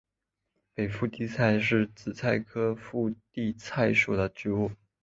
北附地菜是紫草科附地菜属的植物。